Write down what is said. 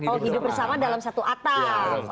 oh hidup bersama dalam satu atap